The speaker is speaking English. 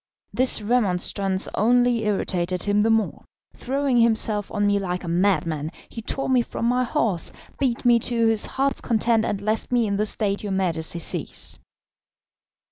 This remonstrance only irritated him the more. Throwing himself on me like a madman, he tore me from my horse, beat me to his heart's content, and left me in the state your Majesty sees."